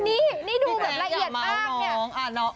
นี่นี่ดูแบบละเอียดมากเนี่ยพี่แทนอย่ามา้วน้อง